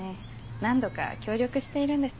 何度か協力しているんです。